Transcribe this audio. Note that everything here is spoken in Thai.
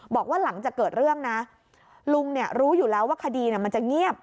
บอกว่าหลังจากเกิดเรื่องนะลุงรู้อยู่แล้วว่าคดีมันจะเงียบ